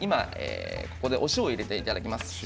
ここでお塩を入れていただきます。